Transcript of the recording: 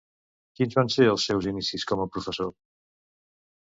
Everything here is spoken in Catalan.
Quins van ser els seus inicis com a professor?